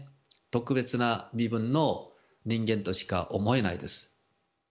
特別な身分の人間としか思えないです。